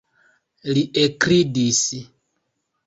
Li ekridis.